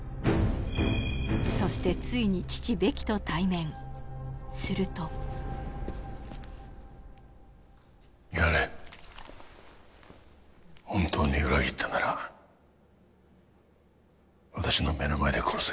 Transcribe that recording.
そしてついにするとやれ本当に裏切ったなら私の目の前で殺せ